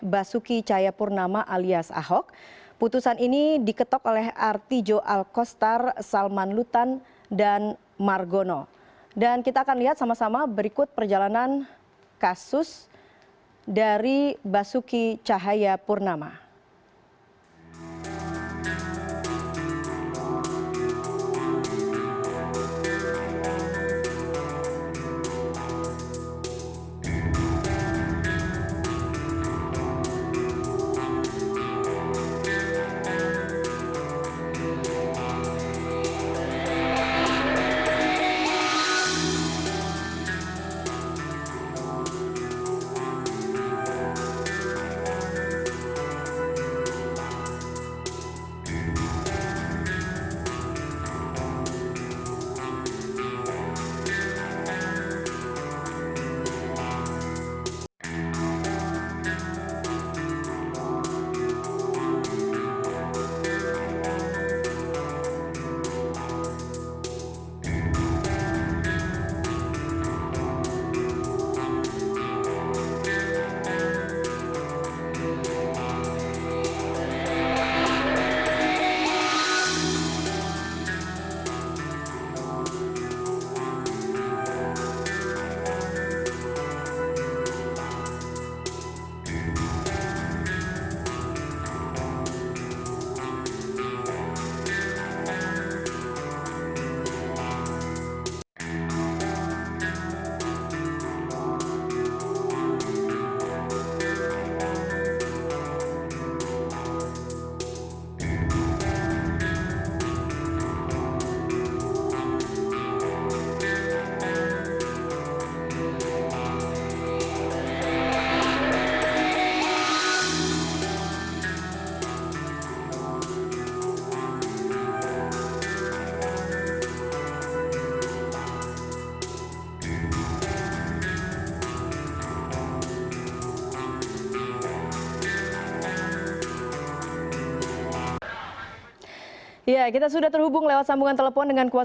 baiklah kayak paling lah kalau saya kalau saya kalau saya cukup duit dan apa apa